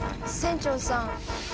船長さん